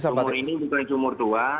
sumur ini juga sumur tua